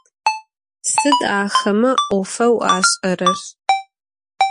Sıd axeme 'ofeu aş'erer?